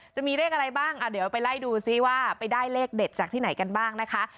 จะมีเลขอะไรบ้างเดี๋ยวไปไล่ดูซิว่าไปได้เลขเด็ดจากที่ไหนกันบ้างนะคะ